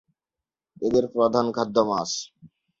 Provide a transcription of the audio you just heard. এদের প্রধান খাদ্য মাছ।